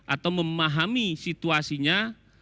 atau memahami situasinya